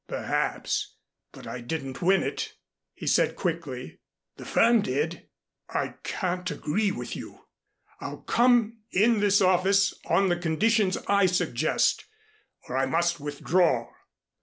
"Perhaps, but I didn't win it," he said quickly. "The firm did." "I can't agree with you. I'll come in this office on the conditions I suggest, or I must withdraw.